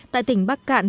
tại tỉnh bắc cạn